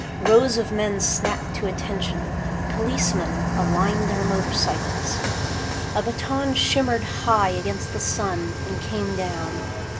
Rows of men snapped to attention. Policemen aligned their motorcycles. A baton shimmered high against the sun and came down.